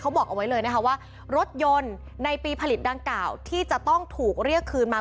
บอกเอาไว้เลยนะคะว่ารถยนต์ในปีผลิตดังกล่าวที่จะต้องถูกเรียกคืนมา